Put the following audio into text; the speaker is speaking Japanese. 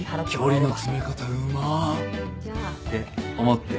距離の詰め方うま。って思ってる？